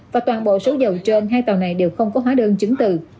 và toàn bộ số dầu trên hai tàu này đều không có hóa đơn chứng từ